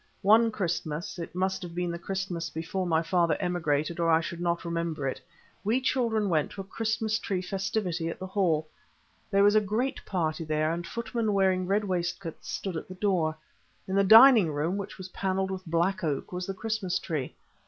One Christmas—it must have been the Christmas before my father emigrated, or I should not remember it—we children went to a Christmas tree festivity at the Hall. There was a great party there, and footmen wearing red waistcoats stood at the door. In the dining room, which was panelled with black oak, was the Christmas tree.